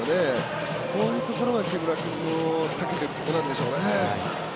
こういうところが木村君のたけてるところなんでしょうね。